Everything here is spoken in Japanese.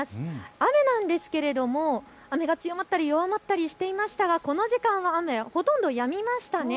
雨なんですが雨が強まったり弱まったりしていましたがこの時間は雨はほとんどやみました。